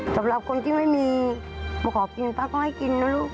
สำหรับคนที่ไม่มีมาขอกินป้าก็ให้กินนะลูก